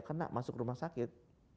kena masuk rumah sakit